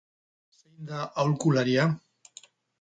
Zein da aholkularia?